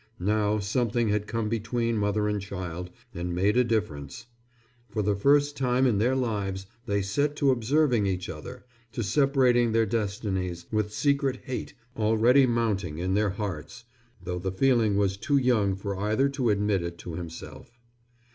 Now something had come between mother and child and made a difference. For the first time in their lives they set to observing each other, to separating their destinies, with secret hate already mounting in their hearts, though the feeling was too young for either to admit it to himself.